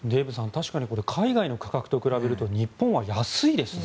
確かに海外の価格と比べると日本は安いですね。